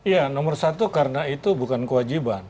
ya nomor satu karena itu bukan kewajiban